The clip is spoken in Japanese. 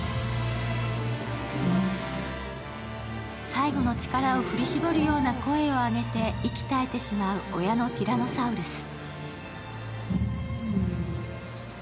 最後の力を振り絞るような声をあげて、息絶えてしまう親のティラノサウルス。